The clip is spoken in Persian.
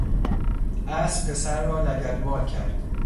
اسب پسر را لگدمال کرد.